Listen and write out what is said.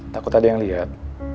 takut ada yang liat